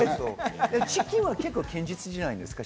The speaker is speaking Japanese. チキンは結構堅実じゃないですか？